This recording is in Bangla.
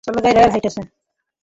চলো যাই, বয়েল হাইটসে!